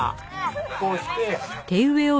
こうして。